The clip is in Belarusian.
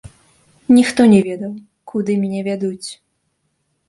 Ніхто не ведаў, куды мяне вядуць.